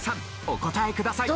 お答えください。